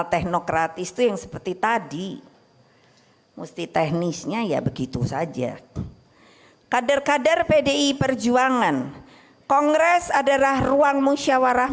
sehingga pembangunan berjalan di atas rel ideologis yang dapat diperlukan secara etis dan ilmiah